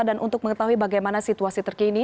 dan untuk mengetahui bagaimana situasi terkini